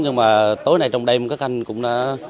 nhưng mà tối nay trong đêm các thanh cũng đã